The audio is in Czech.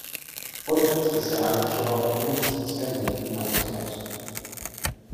Politicky se angažoval v komunistickém hnutí na Ostravsku.